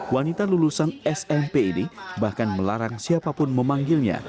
wanita lulusan smp ini bahkan melarang siapapun memanggilnya